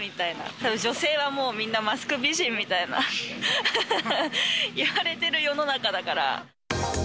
たぶん、女性はみんなもう、マスク美人みたいな、言われてる世の中だから。